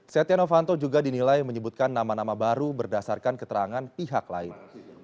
setia novanto juga dinilai menyebutkan nama nama baru berdasarkan keterangan pihak lain